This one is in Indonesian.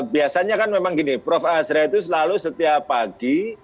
biasanya kan memang gini prof asra itu selalu setiap pagi